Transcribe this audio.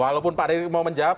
walaupun pak dewi mau menjawab